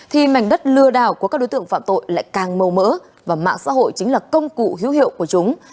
thì mảnh đất lừa đảo của các đối tượng phạm tội lại càng mâu mỡ và mạng xã hội chính là công cụ hữu hiệu của chúng